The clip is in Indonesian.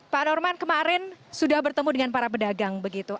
pak norman kemarin sudah bertemu dengan para pedagang begitu